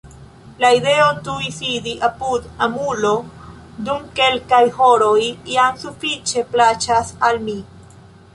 La ideo tuj sidi apud amulo dum kelkaj horoj jam sufiĉe plaĉas al mi.